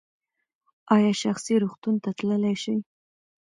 ایا شخصي روغتون ته تللی شئ؟